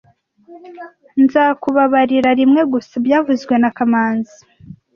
Nzakubabarira rimwe gusa byavuzwe na kamanzi